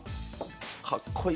かっこいい！